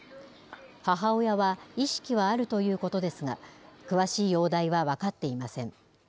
母親は意識はあるということですが、詳しい容体は分かっていません。